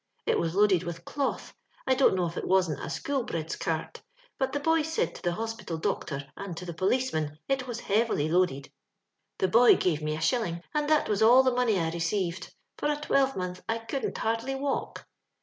It was loaded with cloth ; I don't know if it wasn't a Shoolbred's cart but the boy said to the hos pital doctor and to the policeman it was heavily loaded. The boy gave me a shilling, and that was all the money I received. For a twelve month I couldn't hardly walk.